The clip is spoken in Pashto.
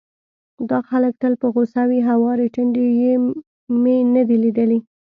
دا خلک تل په غوسه وي، هوارې ټنډې مې نه دي ليدلې،